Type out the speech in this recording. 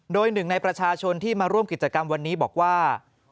โดยหนึ่งในประชาชนที่มาร่วมกิจกรรมวันนี้บอกว่า